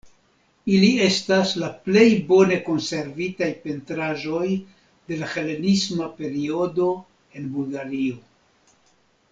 Ili estas la plej bone konservitaj pentraĵoj de la helenisma periodo en Bulgario.